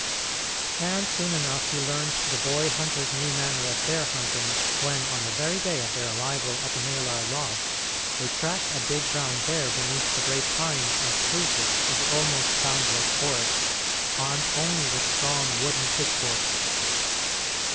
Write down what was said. And soon enough he learned the boy hunter's new manner of bear hunting, when, on the very day of their arrival at the Maelar lodge, they tracked a big brown bear beneath the great pines and spruces of the almost boundless forest, armed only with strong wooden pitchforks.